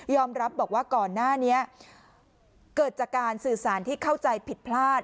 รับบอกว่าก่อนหน้านี้เกิดจากการสื่อสารที่เข้าใจผิดพลาด